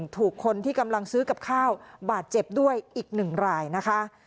ถูกคนที่กำลังซื้อกับข้าวบาดเจ็บด้วยอีกหนึ่งรายนะคะ